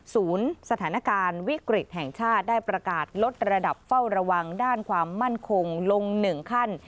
สถานการณ์วิกฤตแห่งชาติได้ประกาศลดระดับเฝ้าระวังด้านความมั่นคงลง๑ขั้น